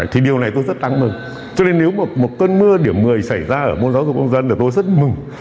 thì điều này tôi rất đáng mừng cho nên nếu một tuần mưa điểm một mươi xảy ra ở môn giáo dục công dân thì tôi rất mừng